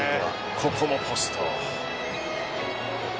ここもポスト。